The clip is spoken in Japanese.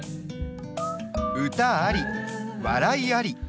歌あり笑いあり。